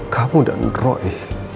kamu dan roy